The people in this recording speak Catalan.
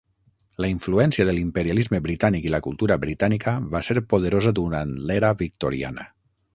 La influència de l'imperialisme britànic i la cultura britànica va ser poderosa durant l'era victoriana.